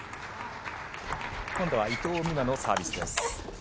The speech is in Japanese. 今度は伊藤美誠のサービスです。